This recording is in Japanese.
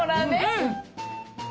うん！